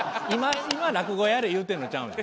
「今落語やれ」言うてんのちゃうねん。